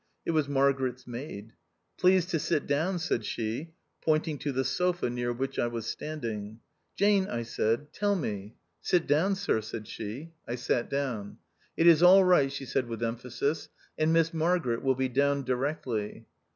It was Mar garet's maid. "Please to sit down," said she, pointing to the sofa near which I was standing. "Jane," I said, "tell me ." THE OUTCAST. 165 " Sit down. Sir/' said she. I sat down. " It is all right," she said with emphasis, " and Miss Margaret will be down directly."